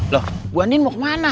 loh ibu andin mau kemana